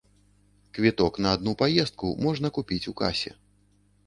Квіток на адну паездку можна купіць у касе.